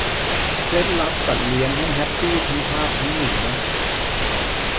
เคล็ดลับเลี้ยงสัตว์ให้แฮปปี้ทั้งทาสทั้งเหมียว